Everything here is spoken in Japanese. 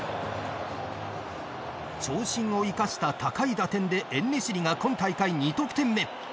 長身を生かした高い打点でエンネシリが今大会２得点目。